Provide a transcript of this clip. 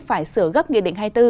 phải sửa gấp nghị định hai mươi bốn